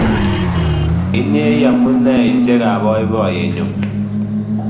Inye ii amuneisiek ab boiboiyenyu